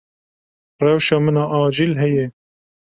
Rewşa min a acîl heye.